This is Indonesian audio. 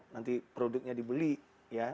nanti produknya dibeli ya